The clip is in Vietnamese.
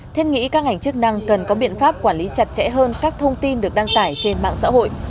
thiết nghĩ các ngành chức năng cần có biện pháp quản lý chặt chẽ hơn các thông tin được đăng tải trên mạng xã hội